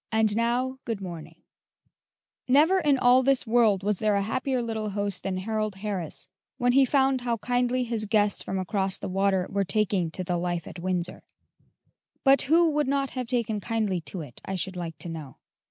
"AND NOW GOOD MORNING," [Illustration: 9066] Never in all this world was there a happier little host than Harold Harris when he found how kindly his guests from across the water were taking to the life at Windsor; but who would not have taken kindly to it, I should like to know?